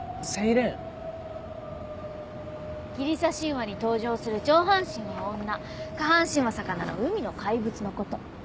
ギリシア神話に登場する上半身は女下半身は魚の海の怪物のこと。